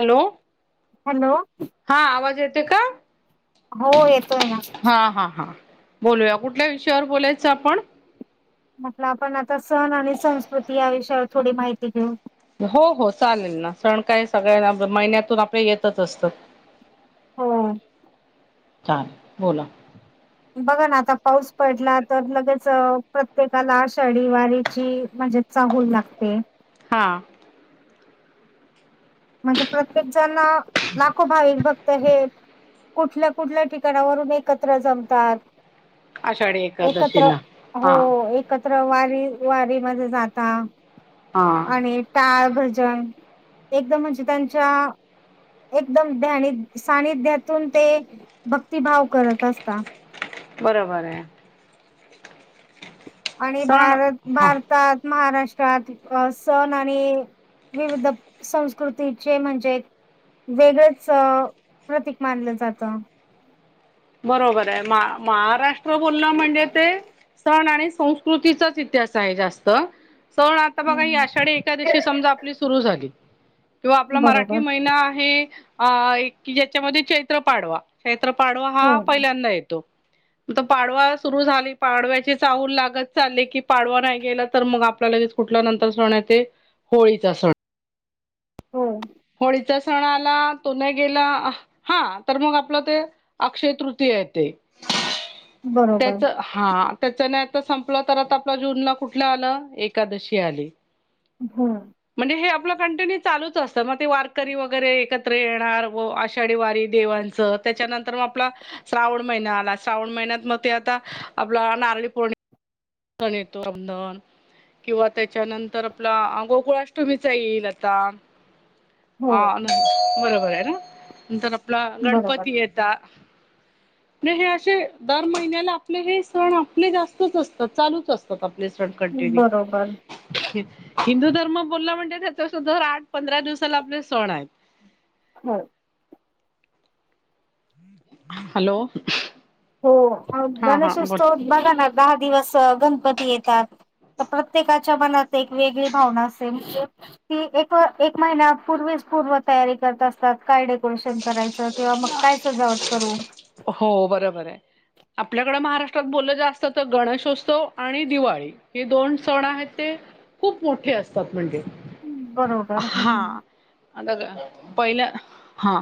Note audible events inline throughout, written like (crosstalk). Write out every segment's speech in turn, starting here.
Hello hello हा आवाज येतोय का हो येतोय ना हा हा हा बोलूया कुठल्या विषयावर बोलायचं आपण म्हटलं आपण आता सण आणि संस्कृती या विषयावर थोडी माहिती घेऊ हो हो चालेल ना सण काय सगळ्या महिन्यातून आपल्या येतच असतं हो हो चालेल बोला बघा ना आता पाऊस पडला तर लगेच प्रत्येकाला आषाढी वारीची म्हणजे चाहूल लागते हां म्हणजे प्रत्येक जण लाखो भाविक भ तर हे कुठल्या कुठल्या ठिकाणावरून एकत्र जमतात आषाढी एकत्र एकादशीला हो हा एक एकत्र वारी वारी मध्ये जाता हा आणि टाळ भजन एकदम म्हणजे त्यांच्या एकदम ध्यानि सान्निध्यातून ते भक्तिभाव करत असता बरोबर आहे आणि सण भारत हा भारतात महाराष्ट्रात सण आणि विविध संस्कृतीचे म्हणजे वेगळंच प्रतीक मानलं जातं. बरोबर आहे म महाराष्ट्र बोलणं म्हणजे ते सण आणि संस्कृ कृतीचाच इतिहास आहे जास्त सण आता बघा ह्या हम्म अशा आणि एकादशी समजा आपली सुरू झाली किंवा आपला बरोबर मराठी महिना आहे अ एक की ज्याच्यामध्ये चैत्र पाडवा चैत्र पाडवा हा हो. पहिल्यांदा येतो. आता पाडवा सुरु झाली. पाडव्याची चाहूल लागत चालले की पाडवा नाही गेला तर मग आपल्याला लगेच कुठल नंतर सण आहे ते होळीचा सण. हो होळीचा सण आला तो न गेला हा तर मग आपलं ते अक्षय तृतीय येते (inaudible) त्याचं हा त्याचं नाही आता संपलं तर आता आपला जूनला कुठलं आलं? एकादशी आली. हं म्हणजे हे आपलं कंटिन्यू चालूच असतं मग ते वारकरी वगैरे एकत्र येणार व आषाढी वारी देवां च त्याच्यानंतर मग आपला श्रावण महिना आला श्रावण महिन्यात मग ते आता आपला नारळी पौर्णिमा ण येतो अधन किंवा त्याच्यानंतर आपला गोकुळाष्टमीचा येईल आता. हो हा नं बरोबर आहे ना? नंतर आपला बरोबर गणपती येत ता हे असे दर महिन्याला आपले हे सण आपले जास्तच अस चालूच असतात आपले सण कंटिन्यू बरोबर हिंदू धर्म बोलला म्हणजे त्याच्या दर आठ पंधरा दिवसाला आपले सण आहेत. हो. हॅलो हो, हा हा बोल गणेशोत्सव बघाना दहा दिवस गणपती येतात. प्रत्येकाच्या मनात एक वेगळी भावना असेल म्हणजे ती एक एक महिन्या पूर्वीच पूर्व तयारी करत असतात. काय डेकोरेशन करायचं? किंवा मग काय सजावट करू. हो बरोबर आहे. आपल्याकडें महाराष्ट्रात बोललं जास्त तर गणेशोत्सव आणि दिवाळी. हे दोन सण आहेत ते खूप मोठे असतात म्हणजे बरोबर हा हम्म आता पहिलं हा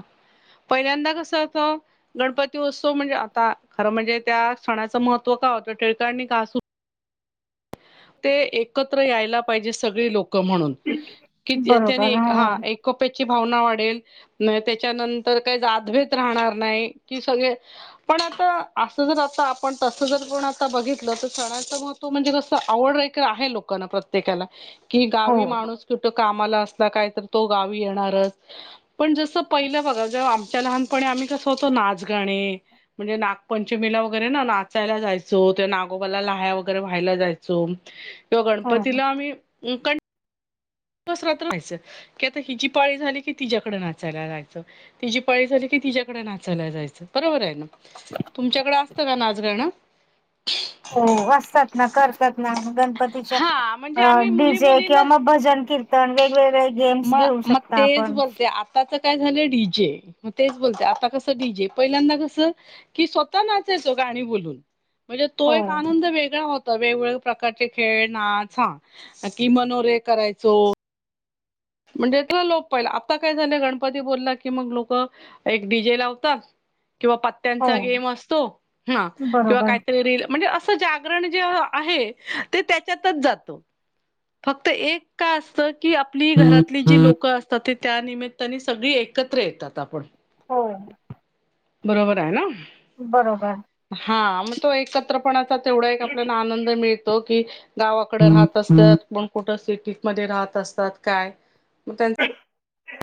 पहिल्यांदा कसं त गणपती उत्सव म्हणजे आता खरं म्हणजे त्या सणाचं महत्त्व का होतं टिळकानी का ते एकत्र यायला पाहिजे सगळी लोक म्हणून कि बरोबर त्याने हो हा एक कपेची भावना वाढेल, त्याच्यानंतर काही जातभेद राहणार नाही, कि सगळे पण आता असं जर आता आपण तस जर कोण आता बघितलं तर सणाचं महत्व म्हणजे कसं आवडे आहे का लोकांना प्रत्येकाला की, गावी हो माणूस कुठ कामाला असला काय तर तो गावी येणारच. पण जसं पहिलं बघा जेव्हा आमच्या लहानपणी आम्ही कसं होतो नाच गाणे म्हणजे नागपंचमीला वगैरे ना नाचायला जायचो, ते नागोबाला लाह्या वगैरे वहा यला जायचं किंवा हो गणपतीला आम्ही. दिवस रात्र व्हायचं की आता हि जी पाळी झाली कि तिच्या्याकडे नाचायला जायचं. तिची पळी झाली की तिच्याकडे नाचायला जायचं बरोबर आहे ना. तुमच्याकडें असतं का नाचगाणं? हो असचतात ना करतात ना गणपतीच्या हा म्हणजे आम्ही मुली डीजे किंवा मुलींना मग. भजन कीर्तन वेगवेगळे. गेम्स मग घेऊ मग शकता तेच आपण बोलते आ. त्याचं काय झालं डीजे मग तेच बोलते आता कसं डीजे पहिल्यांदा कसं. कि स्वतः नाचायचो गाणी बोलून म्हणजे तो हो एक आनंद वेगळा होता. वेगवेगळे प्रकारचे खेळ नाच हा कि मनोरे करायचो. म्हणजे त लोक पहिलं आता काय झालं गणपती बोलला की मग लोक एक डीजे लावतात. किंवा हो पत्यांचा गेम असतो किंवा बरोबर काहीत म्हणजे अस. ण जे आहे ते त्याच्यातच जातो. फक्त एक का असत की. आपली घरातली जी लोकं असतात ते त्या निमित्ताने सगळी एकत्र येतात आपण. हो बरोबर आहे ना? बरोबर. हा मग तो एकत्रपणाचा तेवढा एक आपल्याला आनंद मिळतो की गावाकडे राहत असतात मग कुठं सिटीमध्ये राहत असतात काय, मग त्यां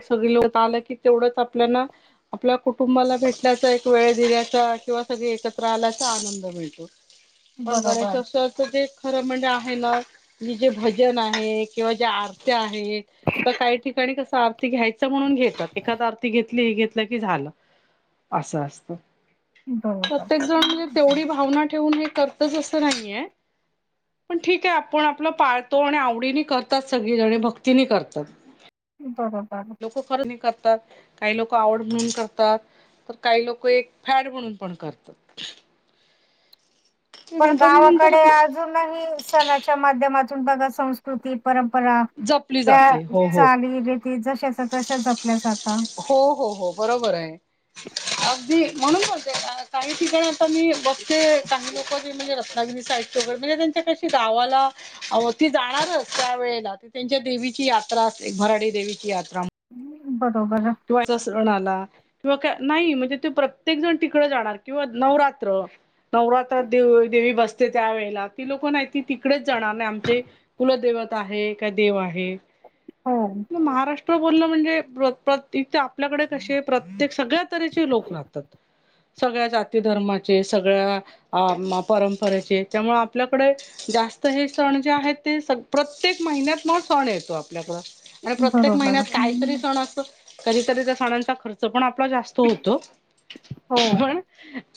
सगळी लोक आलं की तेवढंच आपल्याला. आपल्या कुटुंबाला भेटण्याचा एक वेळ दिण्याचा किंवा सगळे एकत्र आल्याचा आनंद मिळतो. पण बरोबर, गणेशोत्सवाच ते. खरं म्हणजे आहे ना म्हणजे भजन आहे किंवा जे आर. तर काही ठिकाणी कस आरती घ्यायच म्हणून घेतात एखा आर्थ घ हे घेतलं की झालं असं असत. बरोबर, प्रत्येक जण म्हणजे तेवढी भावना ठेवून हे करतच असं नाहीये. पण ठीक आहे आपण आपलं पाळतो आणि आवडीनी करतात सगळीजणी भक्तीनी करतात. बरोबर. लोक खर नाही करतात काही लोक आवड म्हणून करतात. तर काही लोक एक फॅड म्हणून पण करतात. ते पण गणपती नंतर गावाकडे अजूनही सणाच्या माध्यमातून बघा संस्कृती परंपरा जपली त्या जाते हो हो चाली रीती जश तश जपल्या जात हो हो हो बरोबर आहे अगदी म्हणून बोलते काही ठिकाण आता मी बघते चांगली लोक ज म्हणजे रत्नागिरी साईची वगैरे म्हणजे त्यांच्या कशी गावाला अ ती जाणारच त्या वेळेला त त्यांच्या देवीची यात्रा असते एक भराडी देवीची यात्रा. बरोबर. किंवा सणाला. किंवा का नाही म्हणजे ते प्रत्येक जण तिकड जाणार किंवा नवरात्र नवरात्रात देवी बसते त्यावेेळेला ती लोक नाहीती तिकडेच जाणार नाही आमचे कुलं देवत आहे का देव आहे. हो, महाराष्ट्र बोलण म्हणजेत तथ आपल्याकडे कसे प्रत्येक सगळ्या तऱचे लोक राहतात. सगळ्या जाती धर्माचे सगळ्या परंपरेचे त्यामुळे आपल्याकडे जास्त हे सण जे आहेत ते स प्रत्येक महिन्यात ना सण येतो आपल्याकडं आणि प्रत्येक बरोबर. महिन्यात काहीतरी सण असत तधतरी त्या सणांचा खर्च पण आपला जास्त होो होतो हो, पण.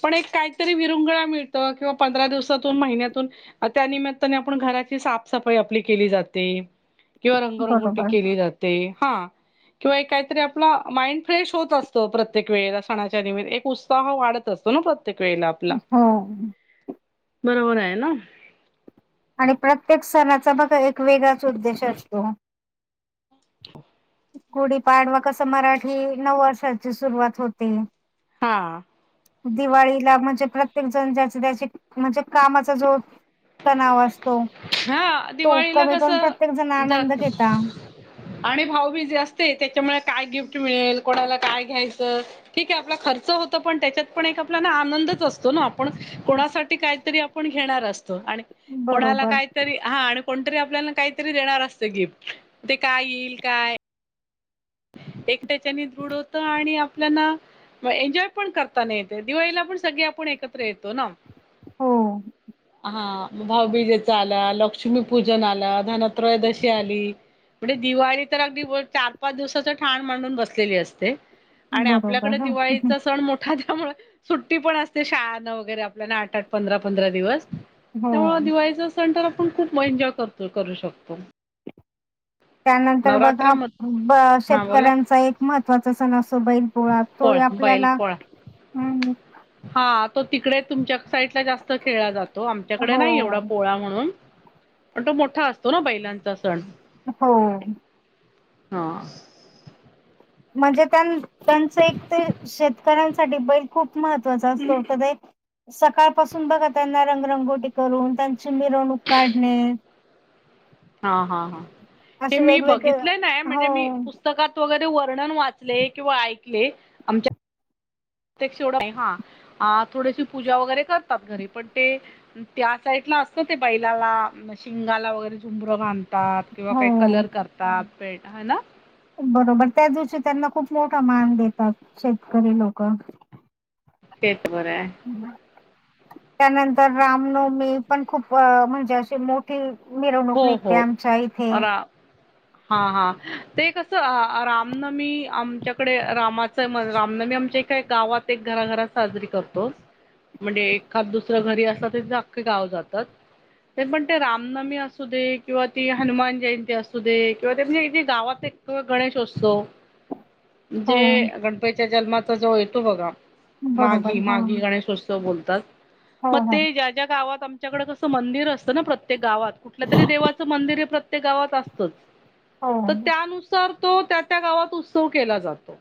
पण एक काहीतरी विरुंगळा मिळत किंवा पंधरा दिवसातून महिन्यातून त्यानिमित्ताने आपण घराची साफसफाई आपली केली जाते. किंवा रंगरंगोटी बरोबर. केली जाते हा किंवा एकाय- आपला माइंड फ्रेश होत असतो प्रत्येक वेळेला सणाच्या निमित्त एक उत्साह वाढत असतो ना प्र प्रत्येक वेळेला आपला हो. बरोबर आहे ना. आणि प्रत्येक सणाचा बघा एक वेगळाच उद्देश असतो. गुडी पाडवा कसं मराठी नव वर्षाची सुरुवात होते हां दिवाळीला म्हणजे प्रत्येक जण ज्या त्याची म्हणजे कामाचा जो तणाव असतो हा तो दिवाळीला कमी करून कसं प्रत्येक जण आनंद जात घेता. आणि भाऊबीज असते त्याच्यामुळे काय गिफ्ट मिळेल कोणाला काय घ्यायचं ठीक आहे आपला खर्च होत पण त्याच्यात पण एक आपला आनंदच असतो ना. कोणासाठी काहीतरी आपण घेणार असतो आणि कोणाला बरोबर. काही हा कोणतरी आपल्याला काहीतरी देणार असत गिफ्ट ते काय येईल काय? एकट्याच्याने दृढ होत आणि आपल्याला मग एन्जॉय पण करताना येते दिवाळीला पण सगळे आपण एकत्र येतो ना. हो हा भाऊबीजेचा आला, लक्ष्मीपूजन आला, धनत्रयोदशी आली. म्हणजे दिवाळी तर अगदी चार पाच दिवसाच ठाण मांडून बसलेली असते. आणि बरोबर आपल्याकडे ह दिवाळीचा सण मोठा त्यामुळे सुट्टी पण असते शाळ नं वगैरे आपल्याला आठ आठ पंधरा पंधरा दिवस त्यामुळे हो. दिवाळीच सण आपण खूप एन्जॉय कर करू शकतो त्यानंतर बघा नवरात्रामध्ये ब हा बोला शेतकऱ्यांचा एक महत्त्वाचा सण असो बैल पोळा तो बैल आपल्याला पोळा हां हा तो तिकडे तुमच्या साईडला जास्त खेळला जातो. तो आमच्याकडे नाही एवढा हो. पोळा म्हणून पण तो मोठा असतो ना बैलांचा सण. हो हा म्हणजे त्यां त्यांच एक ते शेतकऱ्यांसाठी बैल खूप महत्त्वाचा असतो (unintelligible) सकाळपासून बघा त्यांना रंगरंगोटी करून त्यांची मिरवणूक काढणे. हा हा हा हे असे मी वेगवेगळे बघितलं ना हो म्हणजे मी पुस्त पुस्तकात वगैरे वर्णन वाचले किंवा ऐकले. प्रत्येकेवढ हा थोडेशी पूजा वगैरे करतात घरी पण ते त्या साईड ला असतं ते बैलाला शिंगाला वगैरे झुमबर घाब करता किंवा काही हो कलर करतात हाय ना. बरोबर त्या दिवशी त्यांना खूप मोठा मान देतात शेतकरी लोक. तेच बरं त्यानंतर रामनवमी पण खूप म्हणजे अशी मोठ ते मेर नोकनी हो हो इतमचहीथे रा हा हा ते कसं रामनमी आमच्याकडे रामाचं रामनमी आमच्या का गावात एक घराघरा साजरी करतोस. म्हणजे एखाद दुसरं घरी असत त अखखे गाव जातात ते पण ते रामनमी अस अस दे किंवा ती हनुमान जयंती असू दे किंवा ते म्हणजे ज गावात एक गणेश असतो. ह ण जे गणपतीच्या जन्माचा जो येतो बघा. बरोबर माघी हो माघी गणेशोत्सव बोलतात हो मग ते ज्या ज्या गावात त्याच्याकडे कसं मंदिर असतं ना प्रत्येक गावात. कुठ तरी देवाच मंदिर प्रत्येक गावात असत हो तर त्या सर तो त्या त्या गावात उत्सव केला जातो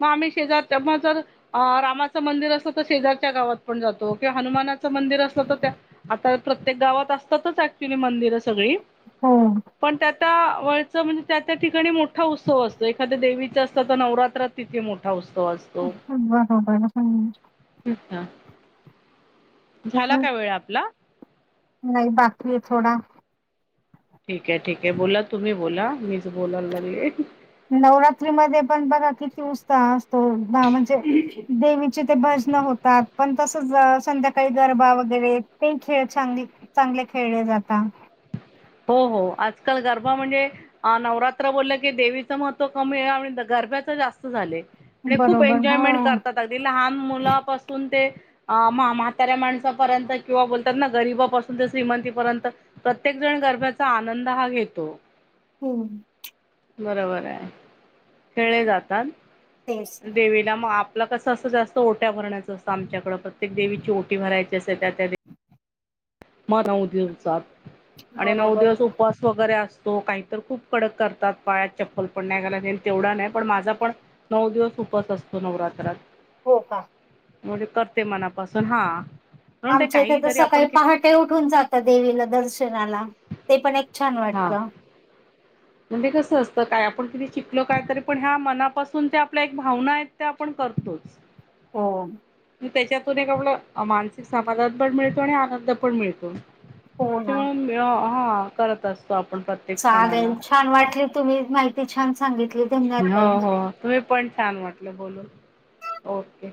मग आम्ही शेजार मग जर अ रामाचं मंदिर असलं तर शेजारच्या गावात पण जातो किंवा हनुमानाचं मंदिर असलं तर त्या आता प्रत्येक गावात असतातच ऍक्च्युली मंदिरं सगळी. हम्म पण त्या त्या वळच म्हणजे त्या त्या ठिकाणी मोठा उत्सव असतो एखाद्या देवीच असतं तर नवरात्रात तिथे मोठा उत्सव अस (unintelligible) अच्छा झाला हं, काय वेळ आपला. नाही बाकी आहे थोडा. ठीक आहे ठीक आहे बोला तुम्ही बोला मीच बोलायला लागले. नवरात्री मध्ये पण बघा किती उत्साह असतो म्हणजे देवीचे ते भजन होत. होत पण तसच संध्याकाळी गरबा वगैरे ते खेळ चांगली चांगले खेळले जातात. हो हो आजकाल गरबा म्हणजे अ नवरात्र बोललं की देवीचं महत्त्व कमी आहे आणि गरब्याच जास्त झाले. म्हणजे खूप बरोबर हो एन्जॉयमेंट करतात अगदी लहान मुलापासून ते अ म्हाताऱ्या माणसापर्यंत किंवा बोलतात ना गरीबापासून ते श्रीमंतीपर्यंत प्रत्येक जण गरब्याचा आनंद हा घेतो. होम् बरोबर आहे खेळे जातात तेच देवी मग आपलं कसं असं जास्त ओट्या भरण्यायचं असतं आमच्याकडे प्रत्येक देवीची ओटी भरायची असते त्या म नऊ दिवसात आणि नव बरोबर दिवस उपास वगैरे असतो काहीत खूप कडक करतात पाळ्यात चप्पल पण नाही घायलाल तेवढा नाही पण माझा पण नऊ दिवस उपवास असतो नवरात्रात. हो का म्हणजे करते मनापासून हा. म्हणून ते आमच्या इथे आ काही तर जरी आपण सकाळी कि पहाट ते उठून जाता देवीला दर्शनाला, ते पण एक छान हा वाटत. म्हणजे कसं असतं काय आपण किती शिकलो, काय तरी पण ह्या मनापासून ते आपल्या एक भावना आहेत. ते आपण करतोच. हो. त्याच्यातून एक आप मानसिक समाधान पण मिळतो, आणि आनंद पण मिळतो. हो ना त्यामुळ हा करत असतो आपण, प्रत चालेल छान वाटली, तुम्ही माहिती छान सांगितली. धन्यवाद हो ताई हो तुम्ही पण छान वाटलं बोलून, ओके.